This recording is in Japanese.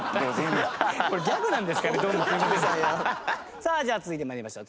さあじゃあ続いて参りましょう。